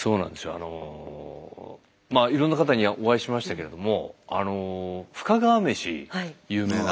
あのいろんな方にお会いしましたけれどもあの有名な。